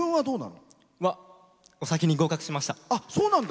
お先に合格しました。